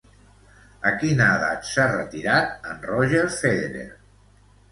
A quina edat s'ha retirat en Roger Federer?